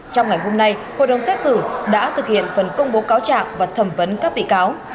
trong ngày hôm nay hội đồng xét xử đã thực hiện phần công bố cáo trạng và thẩm vấn các bị cáo